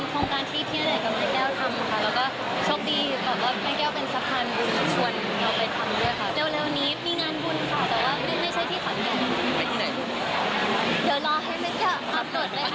คุณแม่แล้วคุณสบายว่ายังไงเลยขอคุณหวังว่าคุณจะรักกพี่ยังไงครับ